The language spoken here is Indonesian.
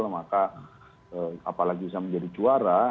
maka apalagi bisa menjadi juara